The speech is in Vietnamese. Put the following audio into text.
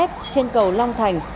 trên cầu long thành